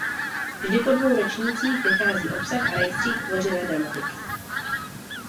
Vždy po dvou ročnících vychází obsah a rejstřík Tvořivé dramatiky.